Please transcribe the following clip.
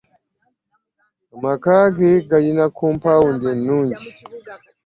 Amaka ge gayina kompawundi ennungi.